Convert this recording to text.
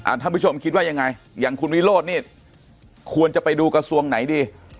ท่านผู้ชมคิดว่ายังไงอย่างคุณวิโรธนี่ควรจะไปดูกระทรวงไหนดี